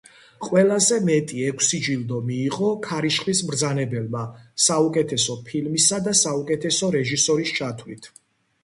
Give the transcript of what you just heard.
ყველაზე მეტი, ექვსი ჯილდო მიიღო „ქარიშხლის მბრძანებელმა“ საუკეთესო ფილმისა და საუკეთესო რეჟისორის ჩათვლით.